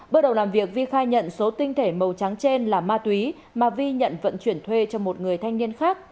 bước đầu làm việc vi khai nhận số tinh thể màu trắng trên là ma túy mà vi nhận vận chuyển thuê cho một người thanh niên khác